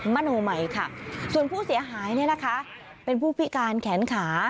มะโนไหมค่ะส่วนผู้เสียหายแหละค่ะเป็นผู้พิการแขนขา